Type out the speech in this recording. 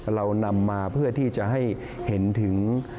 เรานำมาเพื่อที่จะให้เห็นถึง